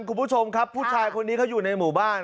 คุณผู้ชมครับผู้ชายคนนี้เขาอยู่ในหมู่บ้าน